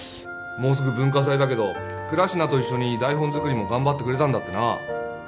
もうすぐ文化祭だけど倉科と一緒に台本作りも頑張ってくれたんだってな